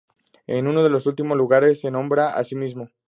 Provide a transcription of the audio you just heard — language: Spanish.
En uno de los últimos lugares se nombra a sí mismo.